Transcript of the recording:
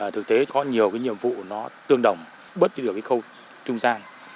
thực tế có nhiều nhiệm vụ tương đồng bớt đi được khâu trung gian